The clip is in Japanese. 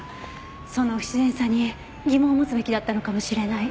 その不自然さに疑問を持つべきだったのかもしれない。